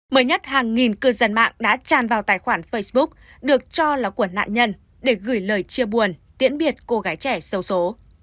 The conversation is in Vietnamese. mới nhất hàng nghìn cư dân mạng đã tràn vào tài khoản facebook được cho là của nạn nhân để gửi lời chia buồn tiễn biệt cô gái trẻ sâu số